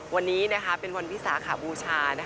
วันนี้เป็นวันวิสาขบูชา